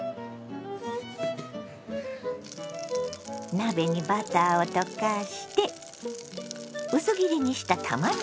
鍋にバターを溶かして薄切りにしたたまねぎを炒めます。